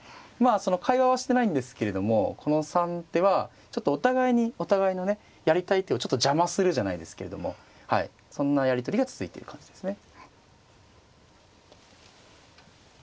その会話はしてないんですけれどもこの３手はちょっとお互いにお互いのねやりたい手をちょっと邪魔するじゃないですけれどもはいそんなやり取りが続いている感じですね。